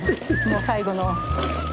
もう最後の。